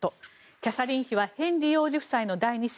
キャサリン妃はヘンリー王子夫妻の第２子